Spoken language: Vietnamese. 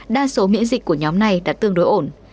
đa số miễn dịch của nhóm này đã tương đối ổn